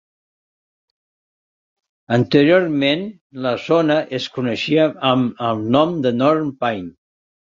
Anteriorment, la zona es coneixia amb el nom North Pine.